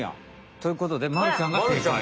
ということでまるちゃんがせいかい！